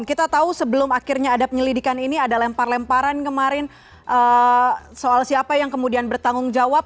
kita tahu sebelum akhirnya ada penyelidikan ini ada lempar lemparan kemarin soal siapa yang kemudian bertanggung jawab